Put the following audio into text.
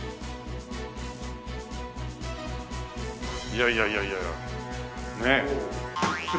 いやいやいやいやねえ。